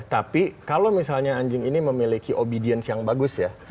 tapi kalau misalnya anjing ini memiliki obedience yang bagus ya